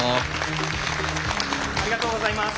ありがとうございます！